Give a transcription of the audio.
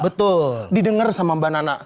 betul didengar sama mbak nana